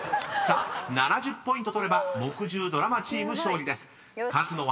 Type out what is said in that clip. ［さあ７０ポイント取れば木１０ドラマチーム勝利です］